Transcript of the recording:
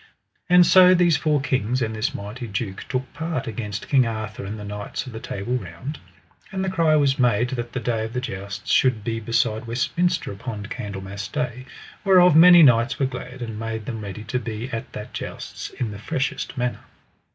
And so these four kings and this mighty duke took part against King Arthur and the knights of the Table Round. And the cry was made that the day of the jousts should be beside Westminster upon Candlemas Day, whereof many knights were glad, and made them ready to be at that jousts in the freshest manner.